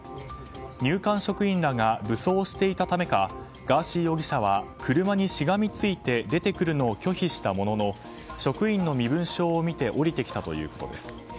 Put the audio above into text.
入管職員らが武装していたためかガーシー容疑者は車にしがみついて出てくるのを拒否したものの職員の身分証を見て降りてきたということです。